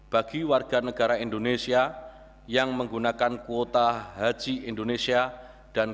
bagi warga negara indonesia yang menggunakan kuota haji indonesia dan kuota haji lainnya